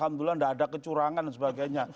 alhamdulillah tidak ada kecurangan dan sebagainya